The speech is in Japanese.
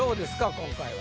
今回は。